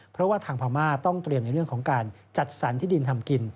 เพราะว่าทางพม่าต้องเตรียมในเรื่องของการจัดสรรที่ดินทำกิน